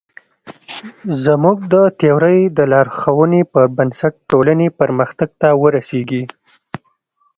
زموږ د تیورۍ د لارښوونو پر بنسټ ټولنې پرمختګ ته ورسېږي.